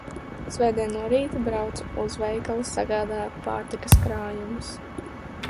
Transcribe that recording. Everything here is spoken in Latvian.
Svētdien no rīta braucu uz veikalu sagādāt pārtikas krājumus.